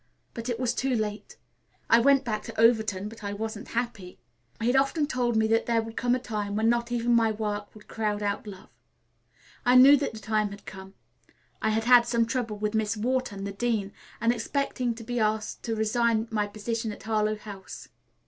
But it was too late. I went back to Overton, but I wasn't happy. He had often told me that there would come a time when not even my work could crowd out love. I knew that the time had come. I had had some trouble with Miss Wharton, the dean, and expecting to be asked to resign my position at Harlowe House.